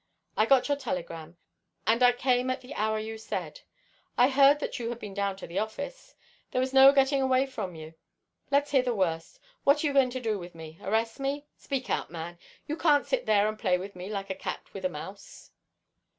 "I got your telegram, and I came at the hour you said. I heard that you had been down to the office. There was no getting away from you. Let's hear the worst. What are you going to do with me? Arrest me? Speak out, man! You can't sit there and play with me like a cat with a mouse."